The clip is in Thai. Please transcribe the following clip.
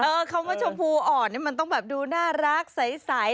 คำว่าชมพูอ่อนนี่มันต้องแบบดูน่ารักใส